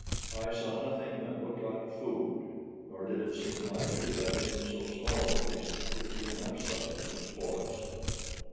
I saw nothing that looked like food, nor did it seem likely that in so small a place there could be enough sustenance for us.